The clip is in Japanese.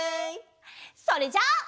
それじゃあ。